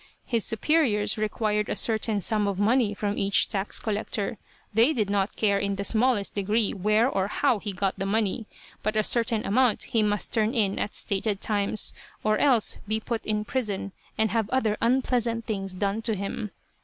His superiors required a certain sum of money from each tax collector. They did not care in the smallest degree where or how he got the money, but a certain amount he must turn in at stated times, or else be put in prison and have other unpleasant things done to him.